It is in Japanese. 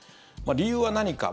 理由は何か。